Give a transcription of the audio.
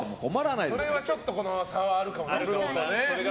それはちょっと差はあるかもね。